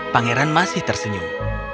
pangeran masih tersenyum